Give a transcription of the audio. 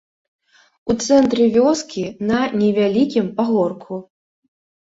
У цэнтры вёскі, на невялікім пагорку.